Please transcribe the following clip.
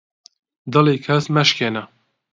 دڵی کەس مەشکێنە